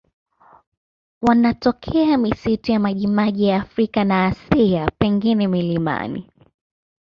Wanatokea misitu ya majimaji ya Afrika na Asia, pengine milimani.